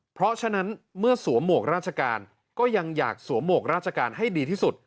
เพราะฉะนั้นเมื่อสวมหมวกราชการก็ยังอยากสวมหมวกราชการให้ดีที่สุด